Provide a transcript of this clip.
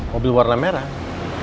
mobil warna merah